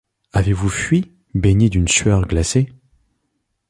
Avez-vous fui, baigné d'une sueur glacée ?